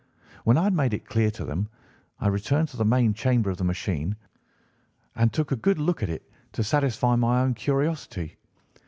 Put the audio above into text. When I had made it clear to them, I returned to the main chamber of the machine and took a good look at it to satisfy my own curiosity.